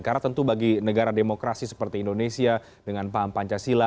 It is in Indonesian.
karena tentu bagi negara demokrasi seperti indonesia dengan paham pancasila